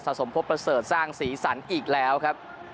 สะสมพบประเสริฐสร้างศรีสรรค์อีกแล้วครับ